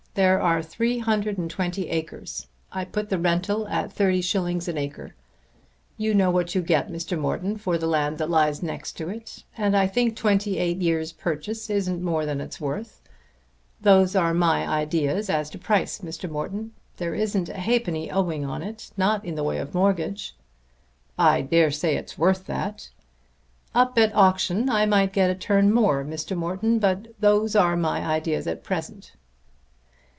There are three hundred and twenty acres. I put the rental at 30_s._ an acre. You know what you get, Mr. Morton, for the land that lies next to it. And I think twenty eight years' purchase isn't more than it's worth. Those are my ideas as to price, Mr. Morton. There isn't a halfpenny owing on it not in the way of mortgage." "I dare say it's worth that." "Up at auction I might get a turn more, Mr. Morton; but those are my ideas at present."